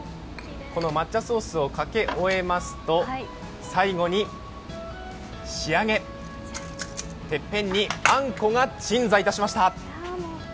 抹茶ソースをかけ終えますと最後に仕上げ、てっぺんにあんこが鎮座いたしました。